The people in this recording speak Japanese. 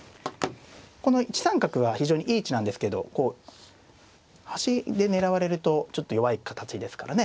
この１三角は非常にいい位置なんですけどこう端で狙われるとちょっと弱い形ですからね。